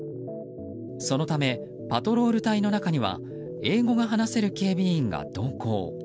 そのため、パトロール隊の中には英語が話せる警備員が同行。